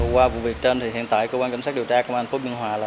qua vụ việc trên thì hiện tại cơ quan cảnh sát điều tra công an phố biên hòa